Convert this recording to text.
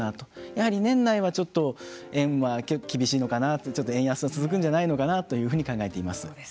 やはり年内はちょっと円は厳しいのかなと円安は続くんじゃないかなというふうに考えています。